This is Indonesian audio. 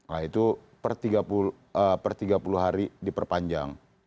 nah itu per tiga puluh hari diperpanjang